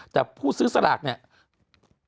แต่ผู้ซื้อสลากเนี่ย